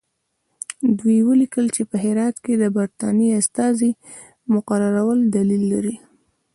دوی ولیکل چې په هرات کې د برټانیې د استازي مقررول دلیل لري.